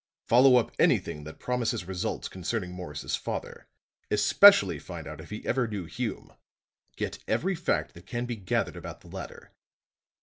"Follow up anything that promises results concerning Morris' father. Especially find out if he ever knew Hume. Get every fact that can be gathered about the latter.